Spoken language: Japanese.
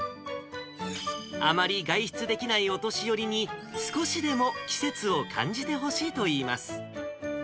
あまり外出できないお年寄りに、少しでも季節を感じてほしいといいます。